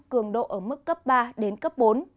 cường độ ở mức cấp ba đến cấp bốn